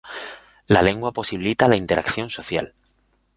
La lengua posibilita la interacción social.